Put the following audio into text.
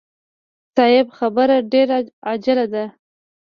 صيب خبره ډېره عاجله ده.